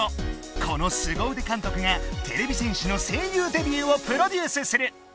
このスゴうで監督がてれび戦士の声優デビューをプロデュースする！